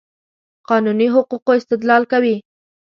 قانوني حقوقو استدلال کوي.